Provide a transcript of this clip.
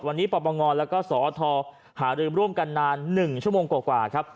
วันนี้ปมและกศธหารืมร่วมกันนาน๑ชั่วโมงกว่า